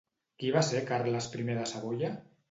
Qui va ser Carles I de Savoia?